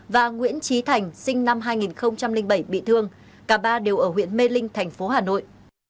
và nguyễn trí thành sinh năm hai nghìn bảy bị thương cả ba đều ở huyện mê linh thành phố hà nội